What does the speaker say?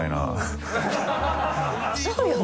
そうよね